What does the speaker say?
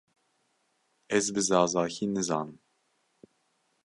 Ez bi zazakî nizanim.